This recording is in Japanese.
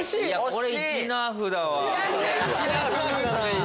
これ１ナーフだな。